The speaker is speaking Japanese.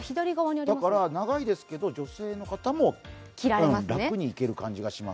長いですけど、女性の方も楽にいける感じがします。